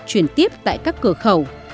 chuyển tiếp tại các cửa khẩu